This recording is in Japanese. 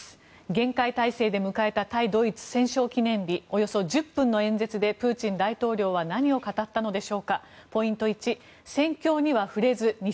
厳戒態勢で迎えた対ドイツ戦勝記念日およそ１０分の演説でプーチン大統領は何を語ったのでしょうか。